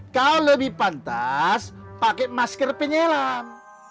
kau lebih pantas pake masker penyelam